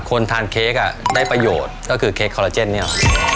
คนทานเค้กได้ประโยชน์ก็คือเค้กคอลลาเจนเนี่ย